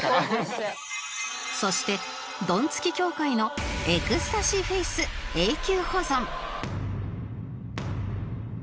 そしてドンツキ協会のエクスタシーフェイス永久保存